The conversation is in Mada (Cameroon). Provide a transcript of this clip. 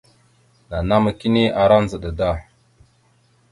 Nanama kini ara ndzəɗa da.